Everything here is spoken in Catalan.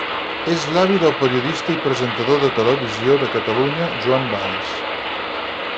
És l'avi del periodista i presentador de Televisió de Catalunya Joan Valls.